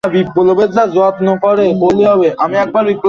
রোগী যেদিন আসবেন সেদিনই অস্ত্রোপচার হবে বলে মনে করছে বিশ্ববিদ্যালয় কর্তৃপক্ষ।